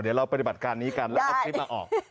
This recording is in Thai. เดี๋ยวเราปฏิบัติการนี้กันแล้วเอาคลิปมาออก